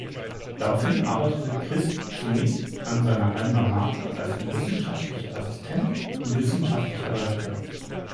Daraufhin arbeitete Christ zunächst an seiner Alma Mater als wissenschaftlicher Assistent und wissenschaftlicher Redakteur.